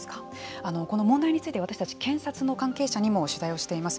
この問題について私たち検察の関係者にも取材をしています。